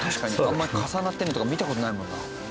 あんま重なってるのとか見た事ないもんな。